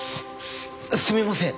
すみません